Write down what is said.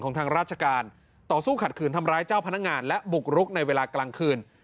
ทางราชการต่อสู้ขัดขืนทำร้ายเจ้าพนักงานและบุกรุกในเวลากลางคืน